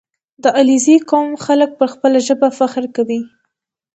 • د علیزي قوم خلک پر خپله ژبه فخر کوي.